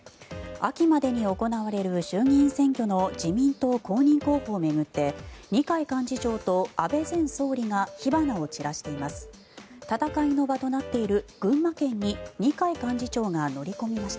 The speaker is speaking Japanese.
秋までに行われる衆議院選挙の自民党公認候補を巡って二階幹事長と安倍前総理が火花を散らしています。